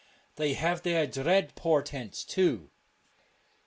They have their dread portents too.